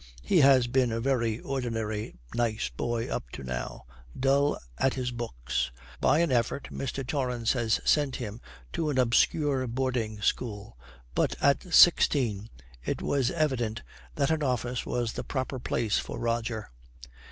He has been a very ordinary nice boy up to now, dull at his 'books'; by an effort Mr. Torrance had sent him to an obscure boarding school, but at sixteen it was evident that an office was the proper place for Roger.